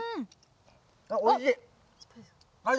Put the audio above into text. おいしい。